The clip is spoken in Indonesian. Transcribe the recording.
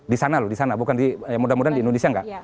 di sana loh di sana bukan di mudah mudahan di indonesia enggak